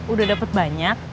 udah dapet banyak